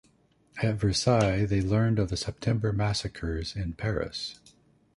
At Versailles, they learned of the September Massacres in Paris.